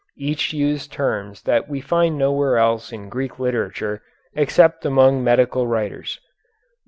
Each used terms that we find nowhere else in Greek literature except among medical writers.